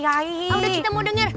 udah kita mau denger